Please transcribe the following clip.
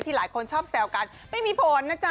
หลายคนชอบแซวกันไม่มีผลนะจ๊